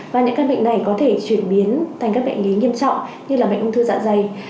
và những căn bệnh này có thể chuyển biến thành các bệnh lý nghiêm trọng như là bệnh ung thư dạ dày